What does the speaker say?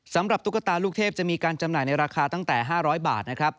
ตุ๊กตาลูกเทพจะมีการจำหน่ายในราคาตั้งแต่๕๐๐บาทนะครับ